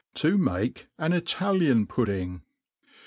To mah an JtaUan Pudding.